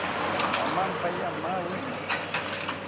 Amampaya maaweni